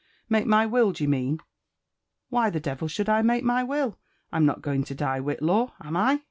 — make my will, d'ye mean? Why the devil should I make my will? — rm not going to die, WhillaWi am I